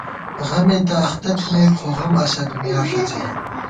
غمےتہ اختہ تھنَئیک خو غم اسہ دُنیا ݭڅی